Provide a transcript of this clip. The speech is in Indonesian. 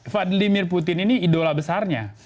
pak fadli vladimir putin ini idola besarnya